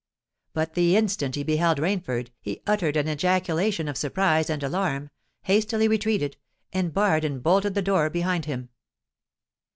But the instant he beheld Rainford, he uttered an ejaculation of surprise and alarm—hastily retreated—and barred and bolted the door behind him.